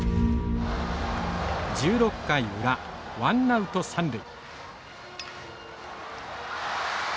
１６回裏ワンナウト三塁。